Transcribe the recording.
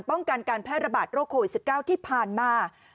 ป้องกันการแพร่ระบาดโรคโควิด๑๙ที่ผ่านมา